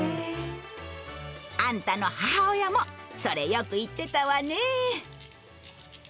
あんたの母親もそれよく言ってたわね！